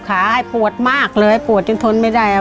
ให้ปวดมากเลยปวดจนทนไม่ได้